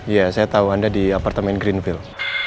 iya saya tahu anda di apartemen greenville